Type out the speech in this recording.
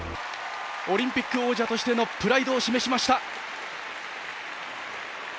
オリンピック王者としてのプライドを示しました。